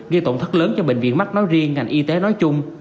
gây tổn thất lớn cho bệnh viện mắt nói riêng ngành y tế nói chung